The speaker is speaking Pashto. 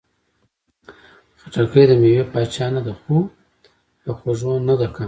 خټکی د مېوې پاچا نه ده، خو له خوږو نه ده کمه.